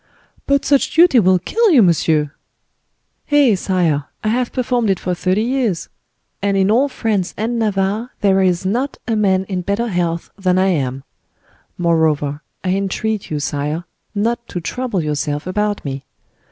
"But such duty will kill you, monsieur." "Eh! sire, I have performed it for thirty years, and in all France and Navarre there is not a man in better health than I am. Moreover, I entreat you, sire, not to trouble yourself about me.